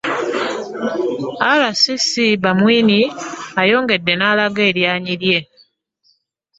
RCC Bamwine ayongedde n'alaga eryanyi lye.